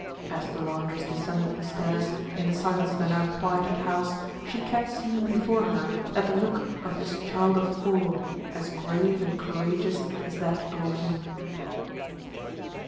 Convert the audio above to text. As the laundress descended the stairs, in the silence of the now quieted house, she kept seeing before her that look of this child of four, as grave and courageous as that of a woman.